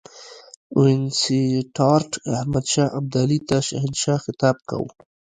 وینسیټارټ احمدشاه ابدالي ته شهنشاه خطاب کاوه.